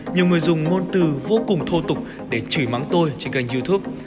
nhiều người dùng ngôn từ vô cùng thô tục để chửi mắng tôi trên kênh youtube